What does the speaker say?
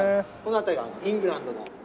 この辺りがイングランドの。